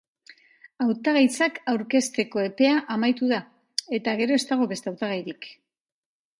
Hautagaitzak aurkezteko epea amaitu da eta ez dago beste hautagairik.